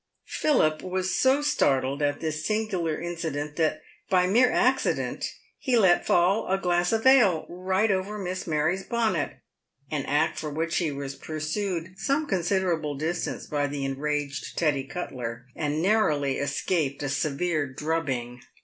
Philip was so startled at this singular incident, that — by mere acci dent — he let fall a glass of ale right over Miss Mary Anne's bonnet, an act for which he was pursued some considerable distance by the en raged Teddy Cuttler, and narrowly escaped a severe drubbing.